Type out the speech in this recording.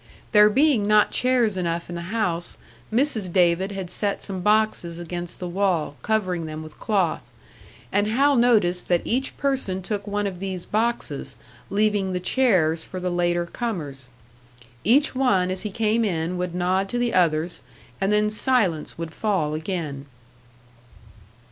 There being not chairs enough in the house, Mrs. David had set some boxes against the wall, covering them with cloth; and Hal noticed that each person took one of these boxes, leaving the chairs for the later comers. Each one as he came in would nod to the others, and then silence would fall again.